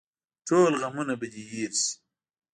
ټول غمونه به دې هېر شي.